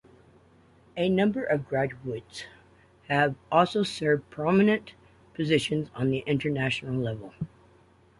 A number of graduates have also served prominent positions on the international level.